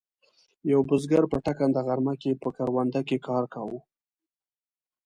یوه بزګر په ټکنده غرمه کې په کرونده کې کار کاوه.